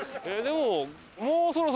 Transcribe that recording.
でももう。